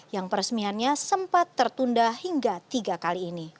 yang peresmiannya sempat tertunda hingga tiga kali ini